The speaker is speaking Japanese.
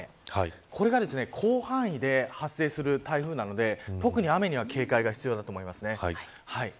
これが広範囲で発生する台風なので特に雨には警戒が必要だと思います。